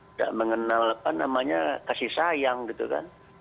tidak mengenalkan namanya kasih sayang gitu kan